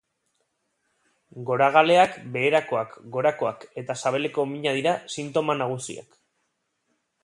Goragaleak, beherakoak, gorakoak eta sabeleko mina dira sintoma nagusiak.